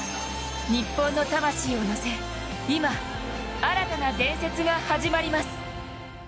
日本の魂をのせ今、新たな伝説が始まります。